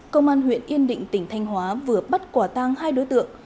công an huyện yên định tỉnh thanh hóa vừa bắt quả tang hai đối tượng